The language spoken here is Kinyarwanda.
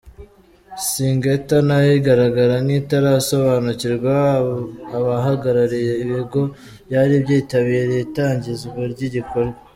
Syngenta nayo igaragara nk’itarasobanukira abahagarariye ibigo byari byitabiriye itangizwa ry’igikorwa.